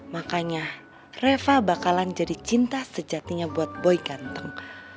makanya reva bakalan jadi cinta sejatinya buat boy ganteng